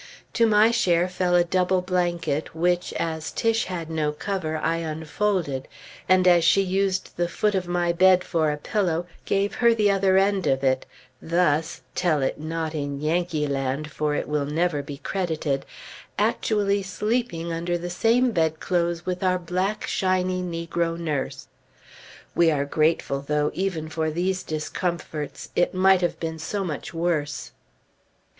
To my share fell a double blanket, which, as Tiche had no cover, I unfolded, and as she used the foot of my bed for a pillow, gave her the other end of it, thus (tell it not in Yankeeland, for it will never be credited) actually sleeping under the same bedclothes with our black, shiny negro nurse! We are grateful, though, even for these discomforts; it might have been so much worse!